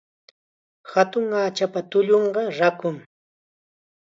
Hatun hachapa tullunqa rakum.